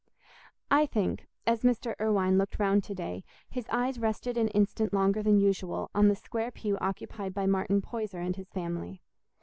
I think, as Mr. Irwine looked round to day, his eyes rested an instant longer than usual on the square pew occupied by Martin Poyser and his family.